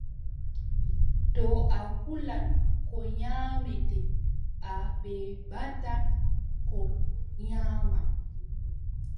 To a hulan ko nyaamete, a beɓataa ko nyaama.